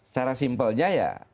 secara simpelnya ya